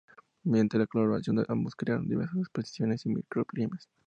Mediante la colaboración de ambos crearon diversas exposiciones y microclimas.